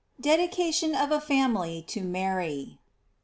DEDICATION OF A FAMILY TO MARY.